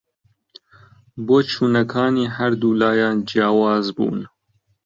بۆچوونەکانی هەردوو لایان جیاواز بوون